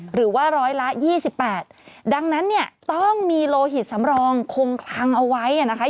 หรือ๑๐๐ล้านบาท๒๘บาทดังนั้นต้องมีโลหิตสำรองคงคลังเอาไว้อย่างน้อยเลย